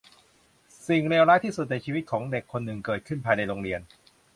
สิ่งเลวร้ายที่สุดในชีวิตของเด็กคนหนึ่งเกิดขึ้นภายในโรงเรียน